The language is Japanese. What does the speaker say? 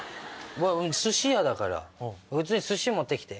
寿司屋だから普通に寿司持って来て。